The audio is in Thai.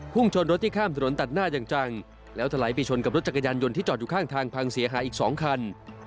ชนรถที่ข้ามถนนตัดหน้าอย่างจังแล้วถลายไปชนกับรถจักรยานยนต์ที่จอดอยู่ข้างทางพังเสียหายอีก๒คัน